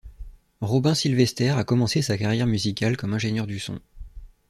Robin Sylvester a commencé sa carrière musicale comme ingénieur du son.